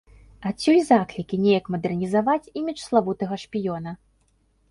Адсюль заклікі неяк мадэрнізаваць імідж славутага шпіёна.